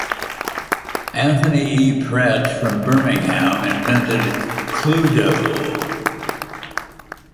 Anthony E. Pratt from Birmingham invented Cluedo.